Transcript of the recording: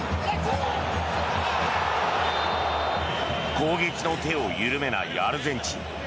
攻撃の手を緩めないアルゼンチン。